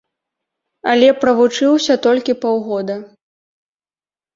Але правучыўся толькі паўгода.